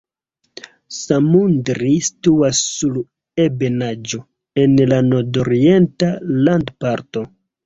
Samundri situas sur ebenaĵo en la nordorienta landparto.